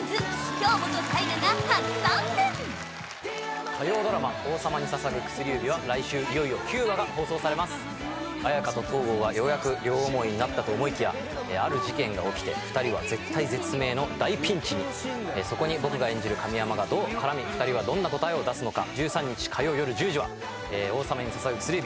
京本大我が初参戦火曜ドラマ「王様に捧ぐ薬指」は来週いよいよ９話が放送されます綾華と東郷はようやく両思いになったと思いきやある事件が起きて２人は絶体絶命の大ピンチにそこに僕が演じる神山がどう絡み２人はどんな答えを出すのか１３日火曜よる１０時は「王様に捧ぐ薬指」